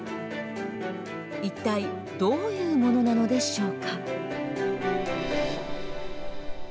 一体どういうものなのでしょうか？。